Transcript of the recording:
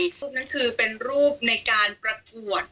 รูปนั้นคือเป็นรูปในการประกวด